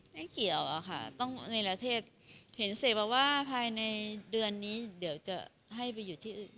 ไม่เกี่ยวอะค่ะต้องในประเทศเห็นเสพมาว่าภายในเดือนนี้เดี๋ยวจะให้ไปอยู่ที่อื่น